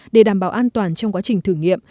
để đảm bảo an toàn trong quá trình thử nghiệm